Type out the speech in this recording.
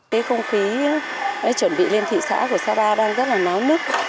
cái không khí chuẩn bị lên thị xã của sapa đang rất là náo nức